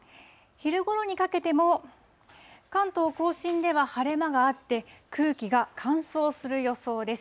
昼ごろにかけても関東甲信では晴れ間があって、空気が乾燥する予想です。